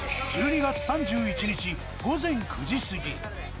１２月３１日午前９時過ぎ。